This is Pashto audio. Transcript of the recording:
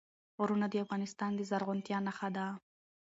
غرونه د افغانستان د زرغونتیا نښه ده.